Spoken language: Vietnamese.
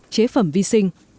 chế phẩm vi sinh